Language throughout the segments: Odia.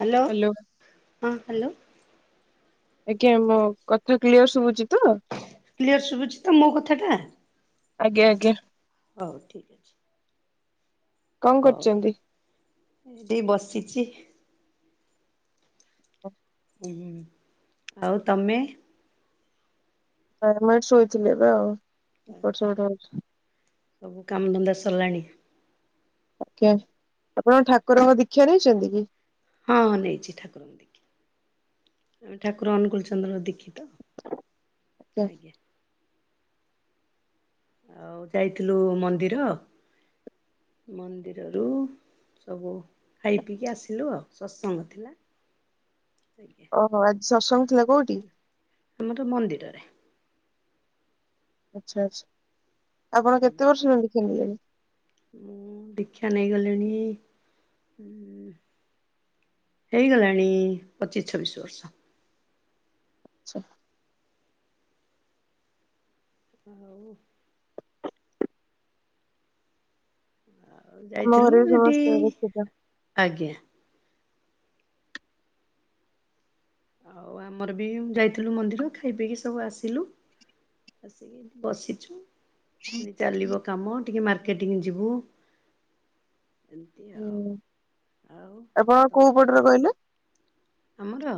ହଁ ହ୍ୟାଲୋ ହାଲୋ। ଆଜ୍ଞା ମୋ କଥା କ୍ଲିୟର ଶୁଭୁଛି ତ? କ୍ଲିୟର୍ ଶୁଭୁଛି ତ ମୋ କଥାଟା? ଆଜ୍ଞା ଆଜ୍ଞା। ହଉ ଠିକ୍ ଅଛି। କଣ କରୁଛନ୍ତି? ଏଇଟି ବସିଚି ‌। ଓଃ। ଉଁ ହୁଁ ଆଉ ତମେ? ଆ ମୁଁ ଏଇଠି ଶୋଇଥିଲି ଏବେ ଆଉ ଏପଟ ଆଚ୍ଛା ସେପଟ ହୋଉଛି। ସବୁ କାମଧନ୍ଦା ସରିଲାଣି? ଆଜ୍ଞା ଆପଣ ଠାକୁରଙ୍କ ଦୀକ୍ଷା ନେଇଛନ୍ତି କି? ହଁ ନେଇଛି ଠାକୁରଙ୍କ ଦୀକ୍ଷା। ଆମେ ଠାକୁର ଅନୁକୁଳଚନ୍ଦ୍ର ଦୀକ୍ଷିତ ଆଜ୍ଞା। ଆଉ ଯାଇଥିଲୁ ମନ୍ଦିର ମନ୍ଦିରରୁ ସବୁ ଖାଇ ପିଇକି ଆସିଲୁ ଆଉ ସତ୍ସଙ୍ଗ ଥିଲା। ଓହୋ ଆଜି ସତ୍ସଙ୍ଗ ଥିଲା କୋଉଠି? ଆମର ମନ୍ଦିରରେ। ଆଚ୍ଛା ଆଚ୍ଛା ଆପଣ କେତେ ବର୍ଷ ହେଲା ଦୀକ୍ଷା ନେଲେଣି? ମୁଁ ଦୀକ୍ଷା ନେଇଗଲିଣି ଉଁ ହେଇଗଲାଣି ପଚିଶ ଛବିଶ ବର୍ଷ। [unintelligible] ଆଉ ଆଉ ଆମ ଯାଇଥିଲୁ ଘରେ ବି ହେଠି ସମସ୍ତେ ଦୀକ୍ଷିତ। ଆଜ୍ଞା। ଆଉ ଆମର ବି ମ୍ ଯାଇଥିଲୁ ମନ୍ଦିର ଖାଇ ପିଇକି ସବୁ ଆସିଲୁ। ଆସିକି ବସିଛୁ। ପୁଣି ଚାଲିବ କାମ ଟିକେ ମାର୍କେଟିଂ ଯିବୁ। ଏମିତି ଆଉ ହୁଁ ଆଉ? ଆପଣ ତ କୋଉ ପଟରେ କହିଲେ? ଆମର?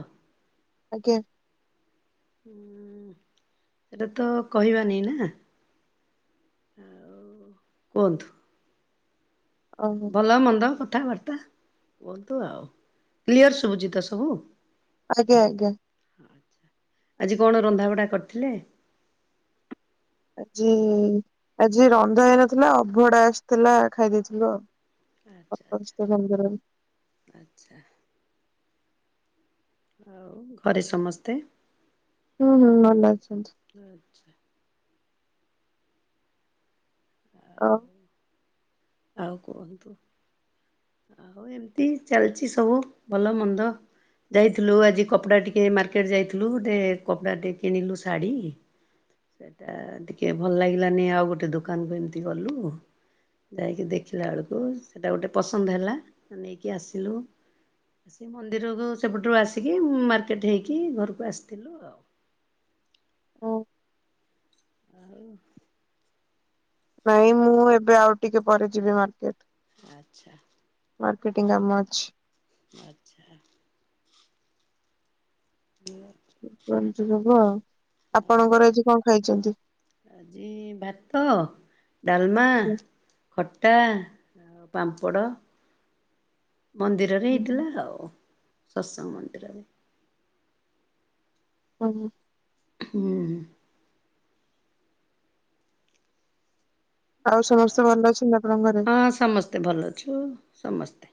ଆଜ୍ଞା। ହୁଁ ଏଟା ତ କହିବାନି ନା? ଆଉ କୁହନ୍ତୁ? ଓହୋ। ଭଲ ମନ୍ଦ କଥାବାର୍ତ୍ତା କୁହନ୍ତୁ ଆଉ କ୍ଲିଅର ଶୁଭୁଛି ତ ସବୁ? ଆଜ୍ଞା ଆଜ୍ଞା। ଆଛା ଆଜି କଣ ରନ୍ଧାବଢ଼ା କରିଥିଲେ? ଆଜି ଆଜି ରନ୍ଧା ହେଇନଥିଲା ଅଭଡ଼ା ଆସିଥିଲା ଖାଇ ଦେଇଥିଲୁ ଆଉ। ଆଚ୍ଛା ଅପରିଷ୍କାର ମନ୍ଦିରରେ। ଆଚ୍ଛା ଆଚ୍ଛା। ଆଉ ଘରେ ସମସ୍ତେ? ହୁଁ ହୁଁ ଭଲ ଅଛନ୍ତି। ଆଚ୍ଛା। ଆଉ? ଆଉ କୁହନ୍ତୁ ଆଉ ଉ ଏମିତି ଚାଲିଛି ସବୁ ଭଲ ମନ୍ଦ ଯାଇଥିଲୁ ଆଜି କପଡ଼ା ଟିକେ ମାର୍କେଟ ଯାଇଥିଲୁ ଗୋଟେ କପଡ଼ା ଟିକେ କିଣିଲୁ ଶାଢ଼ୀ। ସେଟା ଟିକେ ଭଲ ଲାଗିଲାନି ଆଉ ଗୋଟେ ଦୋକାନ କୁ ଏମିତି ଗଲୁ। ଯାଇକି ଦେଖିଲା ବେଳକୁ ସେଟା ଗୋଟେ ପସନ୍ଦ ହେଲା, ଆ ନେଇକି ଆସିଲୁ। ସେ ମନ୍ଦିର ଗ ସେପଟରୁ ଆସିକି ମାର୍କେଟ ହେଇକି ଘରକୁ ଆସିଥିଲୁ ଆଉ। ଆଉ? ନାଇଁ ମୁଁ ଏବେ ଆଉ ଟିକେ ପରେ ଯିବି ମାର୍କେଟ। ଆଚ୍ଛା! ଆଚ୍ଛା। ମାର୍କେଟିଙ୍ଗ୍ କାମ ଅଛି। ଆଚ୍ଛା। ଆପଣଙ୍କର ଆଜି କଣ ଖାଇଚନ୍ତି? ଆଜି ଭାତ, ଡାଲମା, ଖଟା ଆଉ ପାମ୍ପଡ଼ ମନ୍ଦିରରେ ହେଇଥିଲା ଆଉ ସତ୍ସଙ୍ଗ ମନ୍ଦିରରେ। ଆଜ୍ଞା। ହୁଁ। ଆଉ ସମସ୍ତେ ଭଲ ଅଛନ୍ତି ଆପଣଙ୍କ ଘରେ? ଏ ଭଲ ଅଛୁ ସମସ୍ତେ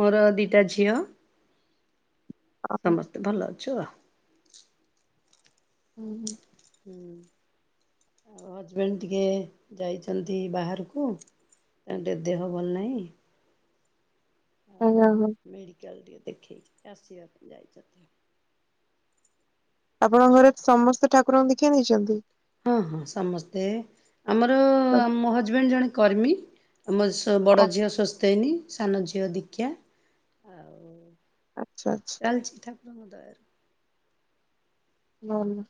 ମୋର ଦିଟା ଝିଅ ସମସ୍ତେ ଭଲ ଅଛୁ ଆଉ ହୁଁ ହଜବେଣ୍ଡ ଟିକେ ଯାଇଚନ୍ତି ବାହାରକୁ ତାଙ୍କ ଟିକେ ଦେହ ଭଲ ନାହିଁ। ଆମେ ଯାଉନୁ। ମେଡିିକାଲ ଟିକେ ଦେଖିଇକି ଆସିବେ ଯାଇଚନ୍ତି। ଆପଣଙ୍କ ଘରେ ସମସ୍ତେ ଠାକୁରଙ୍କ ଦିକ୍ଷା ନେଇଚନ୍ତି? ହଁ, ହଁ ସମସ୍ତେ ଆମର ମୋ ହଜବେଣ୍ଡ ଜଣେ କର୍ମୀ। ଆମ ବଡ଼ ଓ ଝିଅ ସୋସ୍ତେନୀ ସାନ ଝିଅ ଦୀକ୍ଷା ଆଉ ଆଚ୍ଛା! ଆଚ୍ଛା। ଚାଲିଚି ଠାକୁରଙ୍କ ଦୟାରୁ। ଭଲ।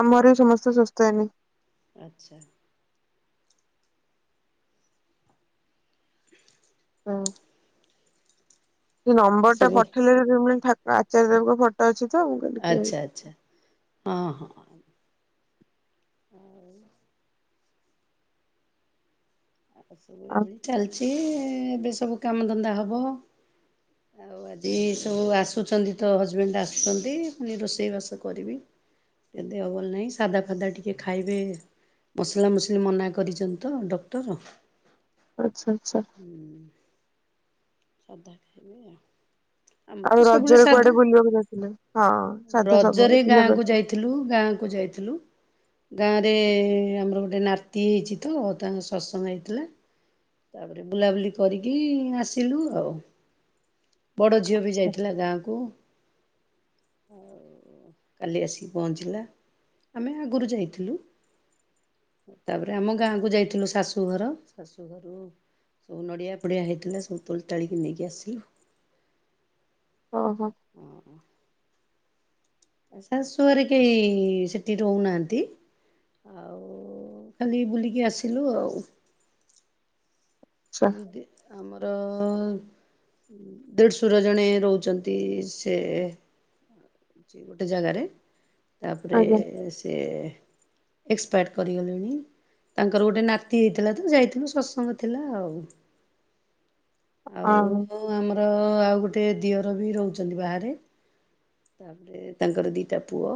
ଆମ ଘରେ ସମସ୍ତେ ସୁସ୍ଥ ହେନି ଆଚ୍ଛା। ହଁ। ସେ ନମ୍ବରଟା ଏସବୁ ପଠେଇଲେ ମୁଁ ଠା ଆଚାର୍ଯ୍ୟଙ୍କ ଫଟୋ ଅଛି ତ। ମୁଁ କହିଲି କି ଆଚ୍ଛା ଆଚ୍ଛା ହଁ, ହଁ। ଚାଲିଛି ଏବେ ସବୁ କାମ ଧନ୍ଦା ହବ। ଆଉ ଆଜି ସବୁ ଆସୁଚନ୍ତି ତ ହଜବେଣ୍ଡ ଆସୁଚନ୍ତି ପୁଣି ରୋଷେଇ ବାସ କରିବି ଏ ଦେହ ଭଲ ନାହିଁ ସାଧା ଫାଧା ଟିକେ ଖାଇବେ। ମସଲା ମସିଲି ମନା କରିଚନ୍ତି ତ ଡକ୍ଟର। ଅଛା ଆଚ୍ଛ୍ଵା। ସାଧା ଖାଇବି ଆଉ ଆମର ତ ଆଉ ସବୁବେଳେ ରଜରେ ସାଧା କୁଆଡେ ବୁଲିବାକୁ ଯାଇଥିଲେ? ହଁ, ସାଧା ସବୁବେଳେ ପିଲା କରି ଥିଲୁ ଗାଁ କୁ ଯାଇଥିଲୁ। ଗାଁରେ ଆମର ଗୋଟେ ନାତି ହେଇଛି ତ ତାଙ୍କ ସତ୍ସଙ୍ଗ ହେଇଥିଲା। ତାପରେ ବୁଲାବୁଲି କରିକି ଆସ ଲୁ ଆଉ ବଡ ଝିଅ ବି ଯାଇଥିଲା ଗାଁକୁ। ହଉ। କାଲି ଆସିକି ପହଞ୍ଚିଲା ଆମେ ଆଗରୁ ଯାଇଥିଲୁ। ତାପରେ ଆମ ଗାଁକୁୁ ଯାଇଥିଲୁ ଶାଶୁଘର ଶାଶୁ ଘରୁ ରୁ ସବୁ ନଡ଼ିଆ ପଡିଆ ହେଇଥିଲା ସବୁ ତଳିତାଳି କି ନେଇକି ଆସିଲୁ। ଓହୋ। [inaudible] ଶାଶୁ ଘରେ କେହି ସେଠି ରହୁନାହାନ୍ତି। ଆଉ ଖାଲି ବୁଲିକି ଆସିଲୁ ଆଉ। ଆଚ୍ଛା [unintelligible] ଆମର ଦେଢଶୁର ଜଣେ ରହୁଛନ୍ତି ସେ ସେଇ ଗୋଟେ ଜାଗାରେ ତାପରେ ଆଜ୍ଞା ସେ ଏକ୍ସପାୟାର୍ଡ କରିଗଲେଣି ତାଙ୍କର ଗୋଟେ ନାତି ହେଇଥିଲା ତ ଯାଇଥିଲୁ ସତ୍ସଙ୍ଗ ଥିଲା ଆଉ। ହଉ। ହଁ। ଆଉ ଆମର ଆଉ ଗୋଟେ ଦିଅର ବି ରହୁଛନ୍ତି ବାହାରେ। ତାପରେ ତାଙ୍କର ଦିଟା ପୁଅ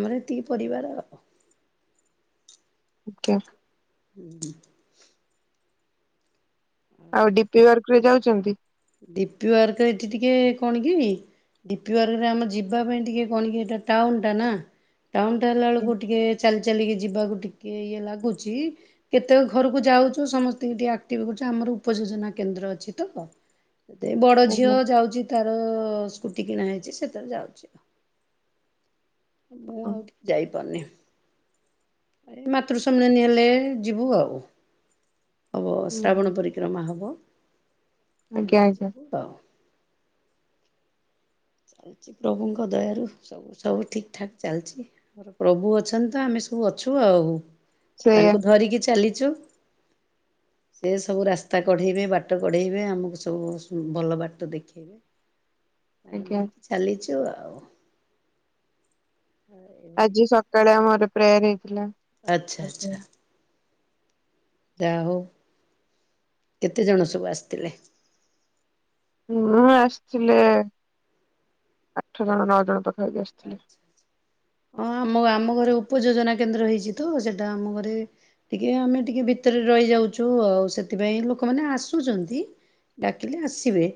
ଆମର ଏତିକି ପରିବାର। ଓକେ। ହୁଁ। ଆଉ ଡି ପି ୱାର୍କରେ ଯାଉଛନ୍ତି? ଡି ପିୱାର୍କରେ ଏଠି ଟିକେ କଣ କି ଡି ପି ୱାର୍ ରେ ଆମ ଯିବା ପାଇଁ ଟିକେ କଣ କି ଏଟା ଟାଉନ ଟା ନା। ଟାଉନ ଟା ହେଲା ଆଜ୍ଞା ବେଳକୁ ଟିକେ ଚାଲି ଚାଲିକି ଯିବାକୁ ଟିକେ ଇଏ ଲାଗୁଛି। କେତେକ ଘରକୁ ଯାଉଛୁ ସମସ୍ତଙ୍କୁ ଟିକେ ଆକ୍ଟିଭି କରୁଛୁ ଆମର ଉପଯୋଜନା କେନ୍ଦ୍ର ଅଛି ତ ଏ ବଡ ଝିଅ ଆଜ୍ଞା ଯାଉଛି ତାର ସ୍କୁଟି କିଣା ହେଇଛି ସେଥିରେ ଯାଉଛି ଆଉ। ମୁଁ ହଁ ଆଉ ଟିକେ ଯାଇପାରୁନି। ଏ ମାତୃସମ୍ମିଳନୀ ହେଲେ ଯିବୁ ଆଉ ହବ ହୁଁ ଶ୍ରାବଣ ପରି ବିକ୍ରମା ହେବ ଆଜ୍ଞା ହେଲେ ଆଜ୍ଞା ଯିବୁ ତ। ଅଛି ପ୍ରଭୁଙ୍କ ଦୟାରୁ। ସ ଆଉ ସବୁ ଠିକ୍ ଠାକ୍ ଚାଲିଛି ଆମର ପ୍ରଭୁ ଅଛନ୍ତି ତ ଆମେ ସବୁ ଅଛୁ ଆଉ। ସେଇଆ ତାଙ୍କୁ ଧରିକି ଚାଲିଛୁ। ସେ ସବୁ ରାସ୍ତା କଢେଇବେ ବାଟ କଢେଇବେ ଆମକୁ ସବୁ ଭଲ ବାଟ ଦେଖେଇବେ। ତାଙ୍କୁ ଆଜ୍ଞା ନେଇ ଚାଲିଚୁ ଆଉ। ଏଇଭଳି ଆଜି କଥା। ସକାଳେ ଆମର ପ୍ରେୟାର ହେଇଥିଲା। ଆଚ୍ଛା ଆଚ୍ଛା। ଯାହା ହଉ କେତେ ଜଣ ସବୁ ଆସିଥିଲେ? ହଁ ଆସିଥିଲେ ଆଠ ଜଣ ନଅ ଜଣ ପାଖା ପାଖି ଆସିଥିଲେ। ଆଚ୍ଛା ହଁ ଆମ ଆମ ଘରେ ଉପଯୋଜନା କେନ୍ଦ୍ର ହେଇଛି ତ ସେଟା ଆମ ଘରେ ଟିକେ ଆମେ ଟିକେ ଭିତରେ ରହିଯାଉଛୁ ଆଉ ସେଥିପାଇଁ ଲୋକମାନେ ଆସୁଛନ୍ତି। ଡାକିଲେ ଆସିବେ।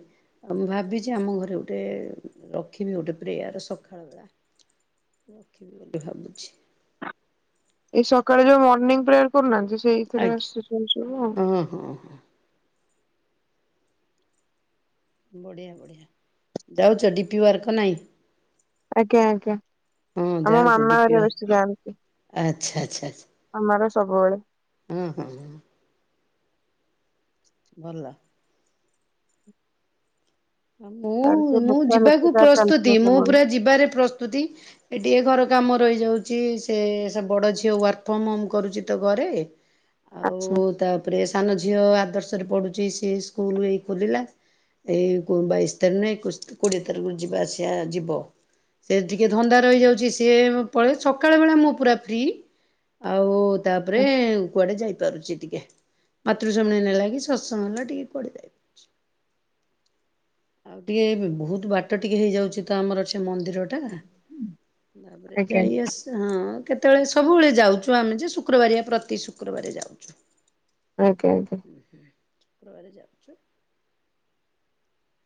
ଆଉ ମୁଁ ଭାବିଛି ଆମ ଘରେ ଗୋଟେ ରଖିବି ଗୋଟେ ପ୍ରେୟାର ଶକ୍ ଖାଳୁଆ ମୁଁ ରଖିବି ବୋଲି ଭାବୁଛି। ଏଇ ସକାଳେ ଯୋଉ ମର୍ଣ୍ଣିିଂ ପ୍ରେୟାର କରୁନାହାନ୍ତି ସେଇ ଏଥିରେ ଆଜ୍ଞା ଆସଛନ୍ତି ମ ହଁ ହଁ। ବଢିଆ ବଢିଆ ଯାଉଛ ଡିପିୱାର୍କ ନାଇ? ଆଜ୍ଞା ଆଜ୍ଞା ହଁ ଆମ ଯାଆନ୍ତୁ ମାମା ଡିପି ଘରା ୱାର୍କ ବେଶୀ ଯାଆନ୍ତି। ଆଚ୍ଛା ଆଚ୍ଛା ଚ୍ଛା ଆମର ସବୁବେଳେ। ଉଁ ହୁଁ। ଭଲ। ତାର ସେ ମୁଁ ମୁଁ ଲେଖା ଲେଖି ଯିବାକୁ ତାର ଚାଲିଥିବ ପ୍ରସ୍ତୁତି ମୁଁ ସବୁବେଳେ ପୁରା ଯିବାରେ ପ୍ରସ୍ତୁତି। ଏ ଟିକିଏ ଘର କାମ ରହିଯାଉଛି ସେ ସେ ବଡ଼ ଝିଅ ୱାର୍କ ଫ୍ରମ୍ ହୋମ୍ କରୁଛି ତ ଘରେ। ଆଉ ଆଚ୍ଛା। ତା ତାପରେ ସାନ ଝିଅ ଆଦର୍ଶରେ ପଢ଼ୁଛି ସିଏ ସ୍କୁଲ ଏଇ ଖୋଲିଲା। ଏଇ ବାଇଶି ତାରିଖ ନା ଏକୋଇଶ କୋଡ଼ିଏ ତାରିଖରୁ ଯିବା ଆସିବା ଯିବ। ସେ ଟିକିଏ ଧନ୍ଦା ରହିଯାଉଛି ସିଏ ପଳେ ସକାଳ ବେଳା ମୁଁ ପୁରା ଫ୍ରି। ଆଉ ତାପରେ ଆଚ୍ଛା କୁଆଡେ ଯାଇପାରୁଛି ଟିକେ। ମାତୃଶମୀଣ ହେଲାକି ଶତ ସଂଘ ହେଲା ଟିକେ [unintelligible] ଆଉ ଟିକେ ବହୁତ ବାଟ ଟିକେ ହେଇଯାଉଛି ତ ଆମର ସେ ମନ୍ଦିର ଟା। ତାପରେ ଆଜ୍ଞା ଯାଇ ଆସି ହଁ କେତେବେଳେ ସବୁବେଳେ ଯାଉଛୁ ଆମେ ଯେ ଶୁକ୍ରବାରିଆ ପ୍ରତି ଶୁକ୍ରବାର ଯାଉଛୁ। ଆଜ୍ଞା ଆଜ୍ଞା ଶୁକ୍ରବାରେ ଯାଉଛୁ।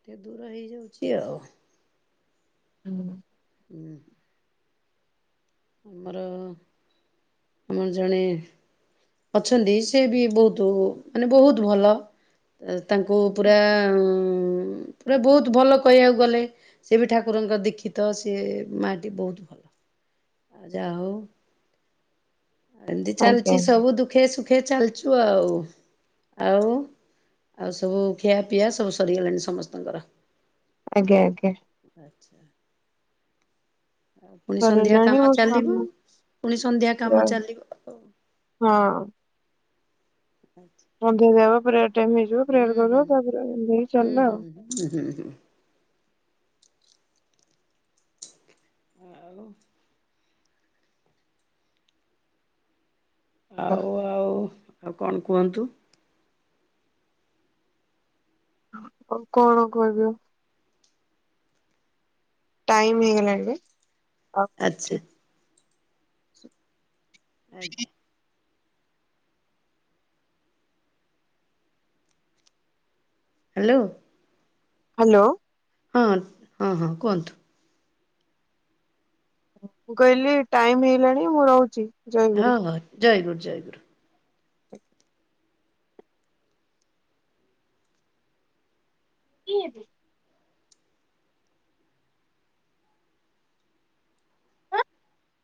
ଟିକେ ଦୂର ହେଇଯାଉଛି ଆଉ। ହୁଁ ହୁଁ। ଆମର ଆମର ଜଣେ ଅଛନ୍ତି ସେ ବି ବହୁତ ମାନେ ବହୁତ ଭଲ। ତାଙ୍କୁ ପୁରା ପୁରା ବହୁତ ଭଲ କହିବାକୁ ଗଲେ। ସେ ବି ଠାକୁରଙ୍କ ଦୀକ୍ଷିତ ସେ ମାଟି ବହୁତ ଭଲ ଆଉ ଯାହା ହଉ। ଏମିତି ଆଜ୍ଞା ଚାଲିଛି ସବୁ ଦୁଃଖେ ସୁଖେ ଚାଲୁଚୁ ଆଉ। ଆଉ ଆଉ ସବୁ ଖିଆପିଆ ସବୁ ସରିଗଲାଣି ସମସ୍ତଙ୍କର। ଆଜ୍ଞା ଆଜ୍ଞା। ଆଛା ଆଉ ପୁଣି ସନ୍ଧ୍ୟା ସରିଲାଣି କାମ ମୋ ଚାଲିବ ସ୍ୱାମୀ ପୁଣି ସନ୍ଧ୍ୟା ପୁରା କାମ ଚାଲିବ। ଆଉ। ହଁ। ଆଛା। ସନ୍ଧ୍ୟା ଦେବ ପ୍ରେୟାର ଟାଇମ ହେଇଯିବ ପ୍ରେୟାର କରିଦବ ତାପରେ ଦେଇକି ଚାଲିଲା ଆଉ। ଉଁ ହୁଁ ହୁଁ। ଆଉ ଆଉ ଆଉ ଆଉ କଣ କୁହନ୍ତୁ? ଆଉ କଣ କହିବ ଆଉ? ଟାଇମ୍ ହେଇଗଲାଣି ଯେ। ଆଛା। ଆଜ୍ଞା। ହ୍ୟାଲୋ ହ୍ୟାଲୋ ହଁ ହଁ ହଁ କୁହନ୍ତୁ। ମୁଁ କହିଲି ଟାଇମ ହେଲାଣି ମୁଁ ରହୁଛି? ହଁ ଜୟଗୁରୁ। ହଉ ଜୟ ଗୁରୁ ଜୟ ଗୁରୁ। ଆ [inaudible] କିଏ ତୁ?